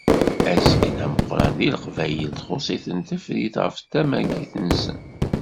Azgen ameqqran deg Leqbayel txuṣṣ-iten tefrit ɣef tamagit-nsen.